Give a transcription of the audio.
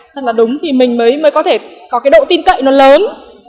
thật là đúng thì mình mới có thể có cái độ tin cậy nó lớn